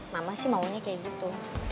mama sih maunya kayak gitu